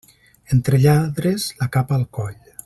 Entre lladres, la capa al coll.